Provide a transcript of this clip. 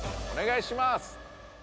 おねがいします。